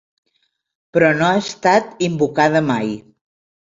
Però no ha estat invocada mai.